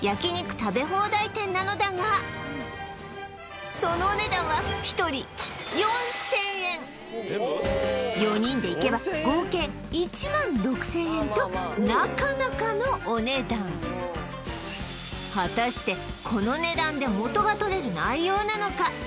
食べ放題店なのだがその４人で行けば合計１６０００円となかなかのお値段果たしてこの値段で元が取れる内容なのか？